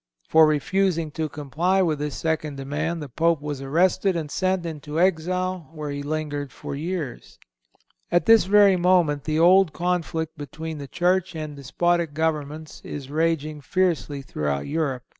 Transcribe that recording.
For refusing to comply with this second demand the Pope was arrested and sent into exile, where he lingered for years. At this very moment the old conflict between the Church and despotic governments is raging fiercely throughout Europe.